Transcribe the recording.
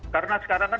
karena sekarang kan